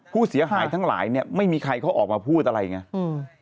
ผู้เสียหายทั้งหลายเนี่ยไม่มีใครเขาออกมาพูดอะไรไงอืม